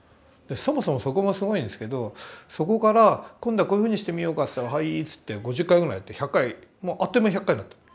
そもそもそこもすごいんですけどそこから「今度はこういうふうにしてみようか」って言ったら「はい」って言って５０回ぐらいやって１００回もうあっという間に１００回になったの。